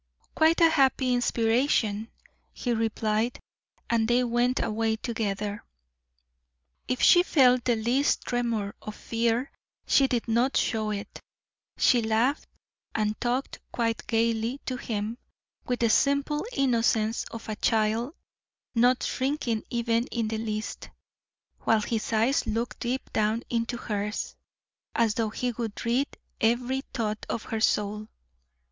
"Quite a happy inspiration," he replied, and they went away together. If she felt the least tremor of fear she did not show it; she laughed and talked quite gayly to him, with the simple innocence of a child, not shrinking even in the least, while his eyes looked deep down into hers, as though he would read every thought of her soul.